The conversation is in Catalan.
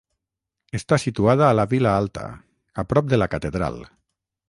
Està situada a la Vila Alta, a prop de la catedral.